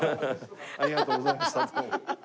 ありがとうございましたどうも。